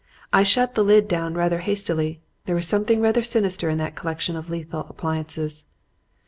I shut the lid down rather hastily; there was something rather sinister in that collection of lethal appliances.